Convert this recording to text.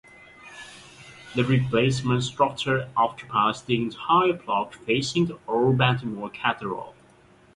The replacement structure occupies the entire block facing the Old Baltimore Cathedral.